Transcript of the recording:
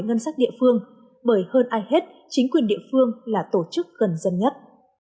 ngân sách địa phương bởi hơn ai hết chính quyền địa phương là tổ chức gần dân nhất